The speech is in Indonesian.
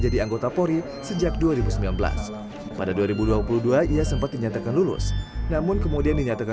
dan bapak mujik